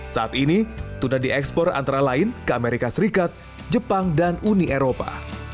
saat ini tuna diekspor antara lain ke amerika serikat jepang dan uni eropa